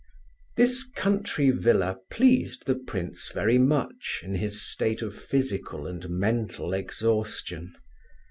This country villa pleased the prince very much in his state of physical and mental exhaustion.